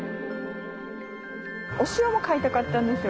お塩も買いたかったんですよ。